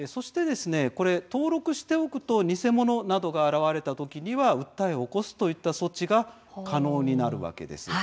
登録しておくと偽物などが現れた時に訴えを起こすといった措置が可能になるわけです。